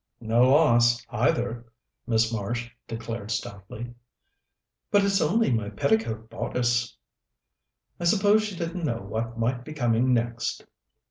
"No loss, either," Miss Marsh declared stoutly. "But it's only my petticoat bodice." "I suppose she didn't know what might be coming next."